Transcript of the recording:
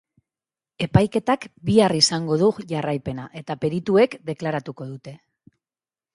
Epaiketak bihar izango du jarraipena eta perituek deklaratuko dute.